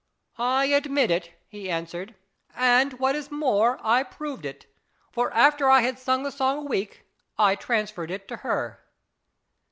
" I admit it," he answered, " and, what is 258 IS IT A MAN? more, I proved it, for after I had sung the song a week, I transferred it to her."